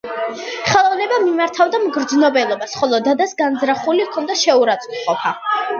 ხელოვნება მიმართავდა მგრძნობელობას, ხოლო დადას განზრახული ჰქონდა შეურაცხყოფა.